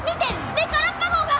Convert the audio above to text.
メカラッパ号が！